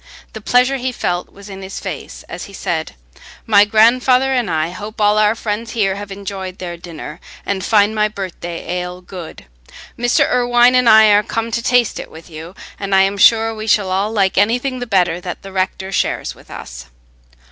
The pleasure he felt was in his face as he said, "My grandfather and I hope all our friends here have enjoyed their dinner, and find my birthday ale good. Mr. Irwine and I are come to taste it with you, and I am sure we shall all like anything the better that the rector shares with us."